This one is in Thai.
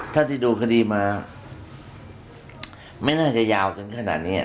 ถ้าที่ดูคดีมาไม่น่าจะยาวถึงขนาดนี้